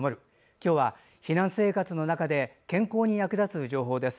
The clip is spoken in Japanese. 今日は避難生活の中で健康に役立つ情報です。